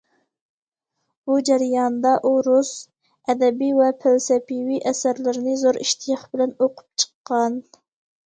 بۇ جەريانىدا ئۇ رۇس ئەدەبىي ۋە پەلسەپىۋى ئەسەرلىرىنى زور ئىشتىياق بىلەن ئوقۇپ چىققان.